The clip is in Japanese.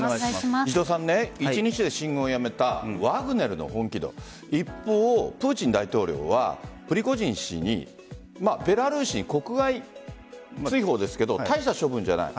石戸さん、一日で進軍をやめたワグネルの本気度一方、プーチン大統領はプリゴジン氏をベラルーシに国外追放ですが大した処分じゃない。